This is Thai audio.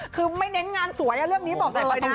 คือไม่เน้นงานสวยเรื่องนี้บอกได้เลยนะ